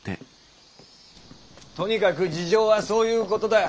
とにかく事情はそういうことだ。